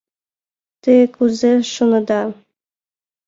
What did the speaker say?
Те кузе шонеда?